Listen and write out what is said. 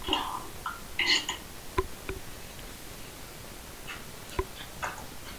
La iglesia es un monumento nacional registrado junto con el presbiterio adjunto.